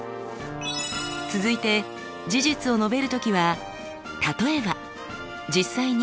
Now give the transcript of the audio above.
続いて事実を述べる時は「たとえば」「実際に」